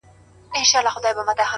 • چي یو ږغ کړي د وطن په نامه پورته,